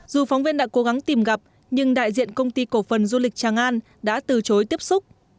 dù phóng viên đã cố gắng tìm gặp nhưng đại diện công ty cổ phần du lịch trang an đã từ chối tiếp xúc